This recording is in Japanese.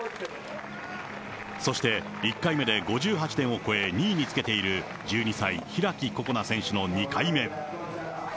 そして、１回目で５８点を超え、２位につけている１２歳、開心那選手の２回目。